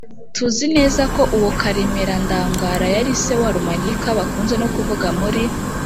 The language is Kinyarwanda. tuzi neza ko uwo karemera ndagara yari se wa rumanyika bakunze no kuvuga muri